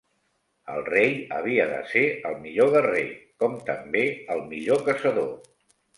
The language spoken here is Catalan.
El rei havia de ser el millor guerrer, com també el millor caçador.